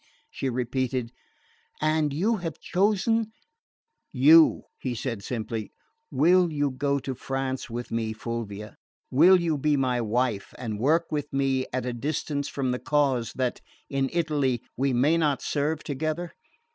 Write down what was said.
she repeated. "And you have chosen " "You," he said simply. "Will you go to France with me, Fulvia? Will you be my wife and work with me at a distance for the cause that, in Italy, we may not serve together?